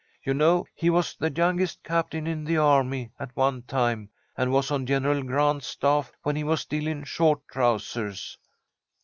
You know he was the youngest captain in the army, at one time, and was on General Grant's staff when he was still in short trousers."